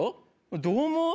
どう思う？